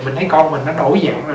mình thấy con mình nó đổi dạng rồi